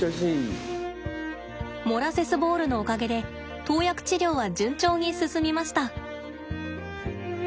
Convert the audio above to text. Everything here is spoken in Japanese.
モラセスボールのおかげで投薬治療は順調に進みました。